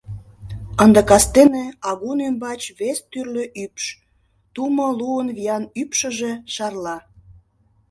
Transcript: Ынде кастене агун ӱмбач вес тӱрлӧ ӱпш, тумо луын виян ӱпшыжӧ шарла.